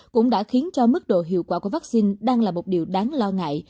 cũng đã khiến cho mức độ hiệu quả của vaccine đang là một điều đáng lo ngại